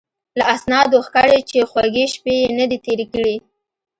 له اسنادو ښکاري چې خوږې شپې یې نه دي تېرې کړې.